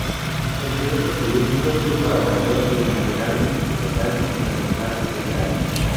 Entre otros periódicos, fue colaborador del Novedades de Yucatán durante más de treinta años.